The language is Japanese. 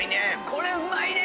これうまいね。